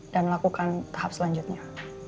dan melakukan tahap selanjutnya